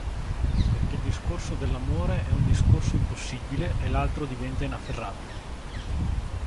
Perché il discorso dell'amore è un discorso impossibile e l'altro diventa inafferrabile.